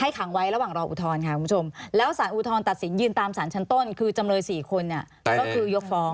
ขังไว้ระหว่างรออุทธรณ์ค่ะคุณผู้ชมแล้วสารอุทธรณตัดสินยืนตามสารชั้นต้นคือจำเลย๔คนเนี่ยก็คือยกฟ้อง